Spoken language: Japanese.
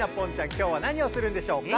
今日は何をするんでしょうか？